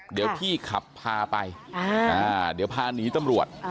เดี๋ยวพี่ขับพาไปเดี๋ยวพาหนีตำรวจ